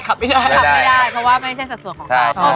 ขับไม่ได้เพราะว่าไม่ใช่ส่วนของเขา